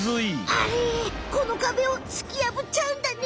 あれこのかべをつきやぶっちゃうんだね。